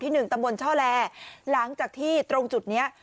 หนึ่งตำบลช่อแลหลังจากที่ตรงจุดเนี้ย